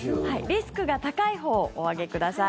リスクが高いほうをお上げください。